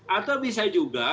atau bisa juga